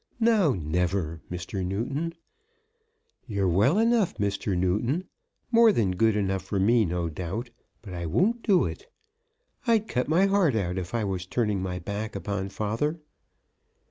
No; never; Mr. Newton! You're well enough, Mr. Newton; more than good enough for me, no doubt. But I won't do it. I'd cut my heart out if I was turning my back upon father."